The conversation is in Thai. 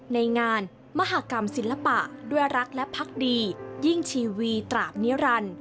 ในงานมหากรรมศิลปะด้วยรักและพักดียิ่งชีวีตราบนิรันดิ์